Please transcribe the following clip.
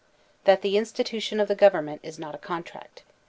That the Institution of the Government is Not A Contract.